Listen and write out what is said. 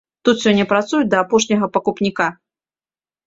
Тут сёння працуюць да апошняга пакупніка.